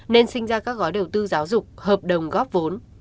nên sinh ra các gói đầu tư giáo dục hợp đồng góp vốn